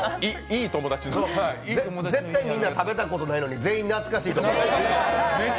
絶対、みんな食べたことないのにみんな懐かしいってなる。